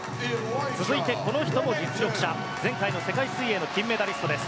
続いてこの人も実力者前回の世界水泳の金メダリストです。